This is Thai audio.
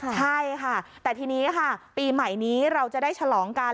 ใช่ค่ะแต่ทีนี้ค่ะปีใหม่นี้เราจะได้ฉลองกัน